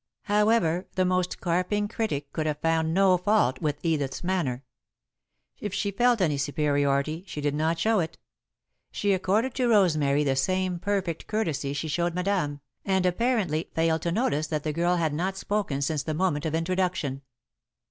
However, the most carping critic could have found no fault with Edith's manner. If she felt any superiority, she did not show it. She accorded to Rosemary the same perfect courtesy she showed Madame, and, apparently, failed to notice that the girl had not spoken since the moment of introduction.